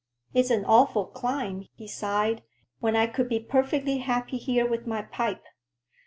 "It's an awful climb," he sighed, "when I could be perfectly happy here with my pipe.